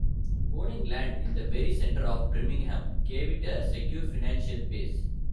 Owning land in the very centre of Birmingham gave it a secure financial base.